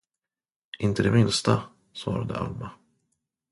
Inte det minsta, svarade Alma.